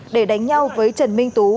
để đánh nhau với trần minh tú